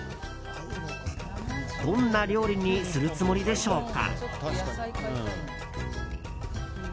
どんな料理にするつもりでしょうか。